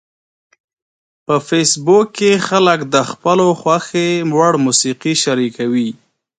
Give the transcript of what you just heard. په فېسبوک کې خلک د خپلو خوښې وړ موسیقي شریکوي